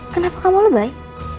kenapa kamu lebih baik